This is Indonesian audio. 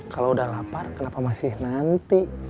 kalau udah lapar kenapa masih nanti